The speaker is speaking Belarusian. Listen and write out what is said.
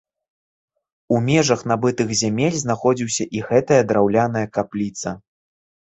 У межах набытых зямель знаходзіўся і гэтая драўляная капліца.